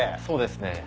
そうですね。